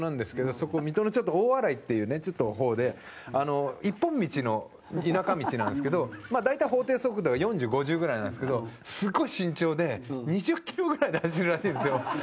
そこ、水戸の、ちょっと大洗っていう方で一本道の田舎道なんですけど大体、法定速度が４０、５０ぐらいなんですけどすごい慎重で２０キロぐらいで走るらしいんですよ。